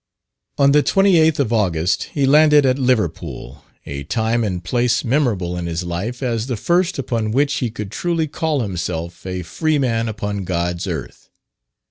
On the 28th of August he landed at Liverpool, a time and place memorable in his life as the first upon which he could truly call himself a free man upon God's earth.